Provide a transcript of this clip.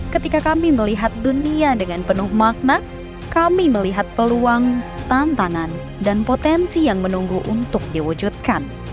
ketika kami melihat dunia dengan penuh makna kami melihat peluang tantangan dan potensi yang menunggu untuk diwujudkan